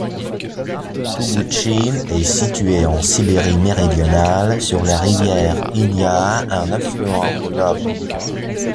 Togoutchine est située en Sibérie méridionale, sur la rivière Inia, un affluent de l'Ob.